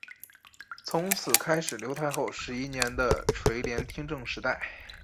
从此开始刘太后十一年的垂帘听政时代。